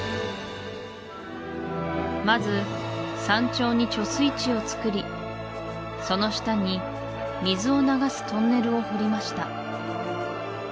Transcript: まず山頂に貯水池をつくりその下に水を流すトンネルを掘りました